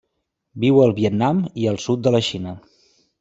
Viu al Vietnam i el sud de la Xina.